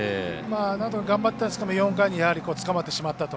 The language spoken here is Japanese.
なんとか頑張ってたんですけど４回につかまってしまったと。